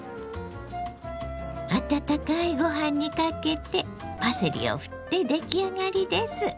温かいご飯にかけてパセリをふって出来上がりです。